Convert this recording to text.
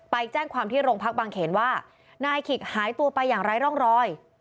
ไปแจ้งความที่โรงพักบางเขนว่านายขิกหายตัวไปอย่างไร้ร่องรอย